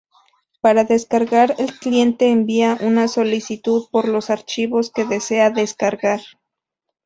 Para descargar, el cliente envía una solicitud por los archivos que desea descargar.